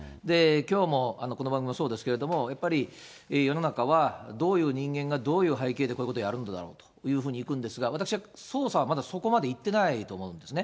きょうもこの番組もそうですけど、やっぱり世の中はどういう人間が、どういう背景でこういうことをやるんだろうというふうにいくんですが、私は捜査はまだそこまでいってないと思うんですね。